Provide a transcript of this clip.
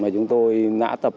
chúng tôi đã tập trung hết